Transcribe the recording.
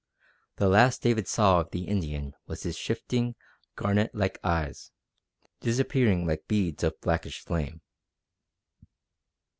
The last David saw of the Indian was his shifting, garnet like eyes, disappearing like beads of blackish flame.